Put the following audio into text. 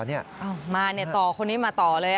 เอามาต่อคนนี้มาต่อเลย